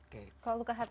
kalau luka hati